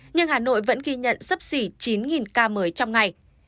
nhưng hà nội vẫn ghi nhận sấp xỉ chín ca mới trong ngày